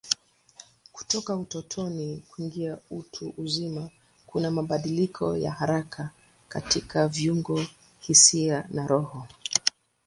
Kutoka utotoni kuingia utu uzima kuna mabadiliko ya haraka katika viungo, hisia na roho.